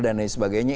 dan lain sebagainya